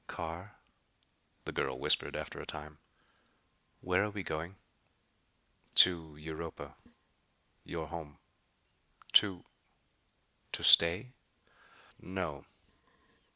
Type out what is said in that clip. "Carr," the girl whispered, after a time, "where are we going?" "To Europa. Your home." "To to stay?" "No."